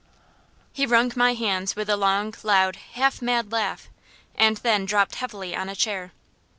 He wrung my hands with a long, loud, half mad laugh; and then dropped heavily on a chair.